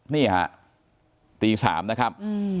นี่ฮะตี๓นะครับ